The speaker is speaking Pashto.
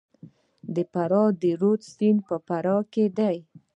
د فرا رود سیند په فراه کې دی